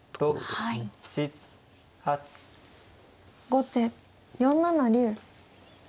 後手４七竜。